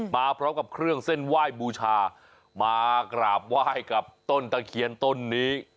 มาพร้อมกับเครื่องเส้นไหว้บูชามากราบไหว้กับต้นตะเคียนต้นนี้